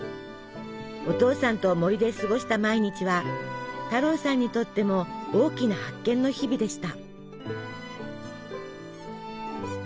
お父さんと森で過ごした毎日は太郎さんにとっても大きな発見の日々でした。